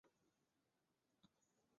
他由德范八世接替。